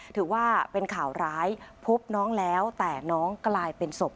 ถือว่าเป็นข่าวร้ายพบน้องแล้วแต่น้องกลายเป็นศพ